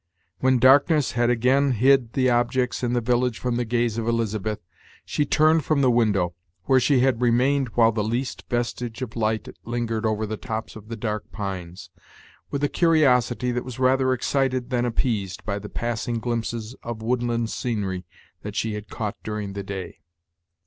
When darkness had again hid the objects in the village from the gaze of Elizabeth, she turned from the window, where she had remained while the least vestige of light lingered over the tops of the dark pines, with a curiosity that was rather excited than appeased by the passing glimpses of woodland scenery that she had caught during the day.